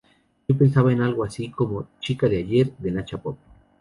Yo pensaba en algo así como "Chica de ayer", de Nacha Pop.